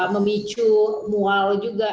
memicu mual juga